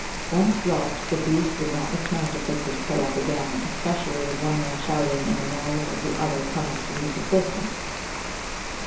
Once dropped, the beast would not return to pick his prey up again, especially with one man shouting and the noise of the other coming to his assistance.